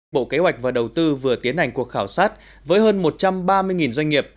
bộ kế hoạch và đầu tư vừa tiến hành cuộc khảo sát với hơn một trăm ba mươi doanh nghiệp